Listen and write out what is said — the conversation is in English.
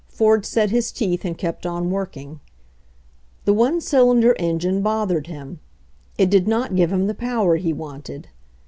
Ford set his teeth and kept on working. The one cylinder engine bothered him. It did not give him the power he wanted.